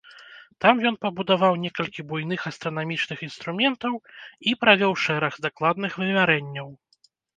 Там ён пабудаваў некалькі буйных астранамічных інструментаў і правёў шэраг дакладных вымярэнняў.